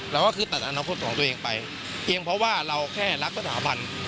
เราก็คือตัดอนาคตของตัวเองไปเพียงเพราะว่าเราแค่รักสถาบัน